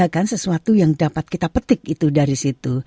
kan sesuatu yang dapat kita petik itu dari situ